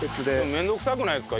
面倒くさくないですか？